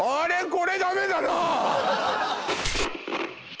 これダメだなあ！